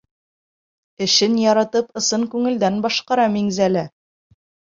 Эшен яратып, ысын күңелдән башҡара Миңзәлә.